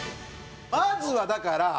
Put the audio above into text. まずはだから。